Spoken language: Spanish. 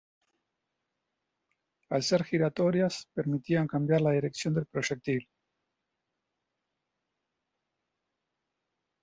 Al ser giratorias, permitían cambiar la dirección del proyectil.